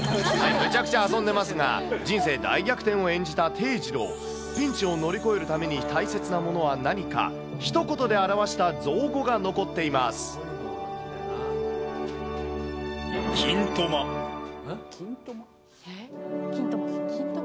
めちゃくちゃ遊んでますが、人生大逆転を演じた貞治郎、ピンチを乗り越えるために大切なものは何か、ひと言で表した造語きんとま。